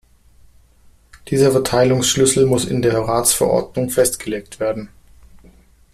Dieser Verteilungsschlüssel muss in der Ratsverordnung festgelegt werden.